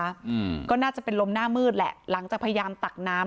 อืมก็น่าจะเป็นลมหน้ามืดแหละหลังจากพยายามตักน้ำ